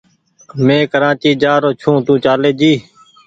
مينٚ ڪراچي جآرو ڇوٚنٚ تو چاليٚ جي